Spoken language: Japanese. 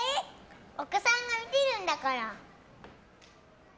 お子さんが見てるんだから。